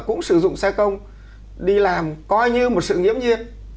cũng sử dụng xe công đi làm coi như một sự nghiễm nhiên